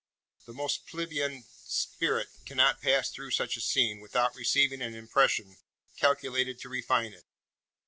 The most plebeian spirit cannot pass through such a scene without receiving an impression calculated to refine it.